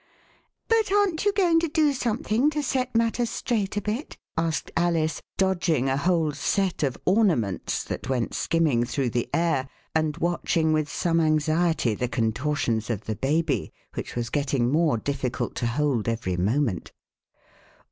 But aren't you going to do something to set matters straight a bit ?" asked Alice, dodging a whole set of Ornaments that went skimming through the air, and watching with some anxiety the contortions of the baby, which was getting more difficult to hold every moment.